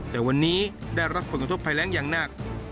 แต่วันนี้ได้รับผลกระทบภัยแรงอย่างหนัก